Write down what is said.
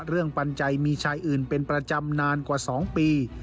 เรื่องปัญญาใจมีชายอื่นเป็นประจำนานกว่าสองปี